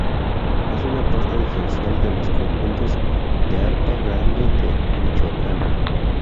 Es una parte esencial de los conjuntos de arpa grande de Michoacán.